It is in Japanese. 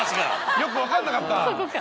よく分かんなかった？